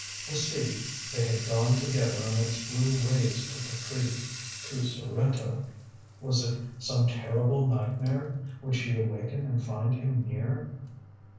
THE sea they had gone together on its blue waves to Capri to Sorrento WAS it some terrible nightmare would she awaken and find him near.